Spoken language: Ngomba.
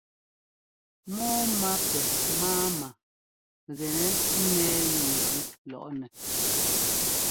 Mɔ́ɔmá pɛ máama gɛnɛ́ ńnɛ́ɛ yúujʉ́ lɔꞌnɛ.